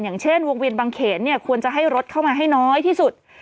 อย่างเช่นวงเวียนบางเขนเนี่ยควรจะให้รถเข้ามาให้น้อยที่สุด